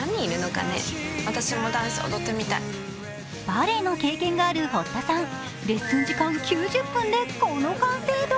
バレエの経験がある堀田さん、レッスン時間９０分で、この完成度。